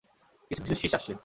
কিছু-কিছু শীষ আসছে।